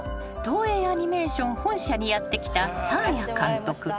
［東映アニメーション本社にやって来たサーヤ監督］